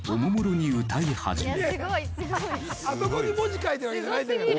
あそこに文字書いてあるわけじゃないんだから。